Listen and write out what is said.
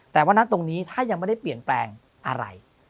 แต่วันนั้นตรงนี้ถ้ายังไม่ได้เปลี่ยนแปลงอะไร